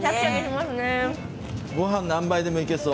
ごはん何杯でもいけそう。